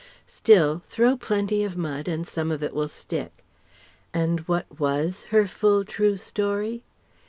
Still ... throw plenty of mud and some of it will stick.... And what was her full, true story?